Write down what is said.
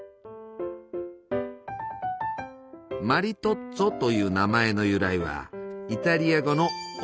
「マリトッツォ」という名前の由来はイタリア語の「夫」